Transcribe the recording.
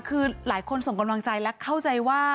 คือหลายคนส่งกำลังใจและเข้าใจว่า